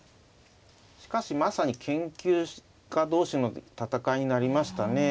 しかしまさに研究家同士の戦いになりましたね。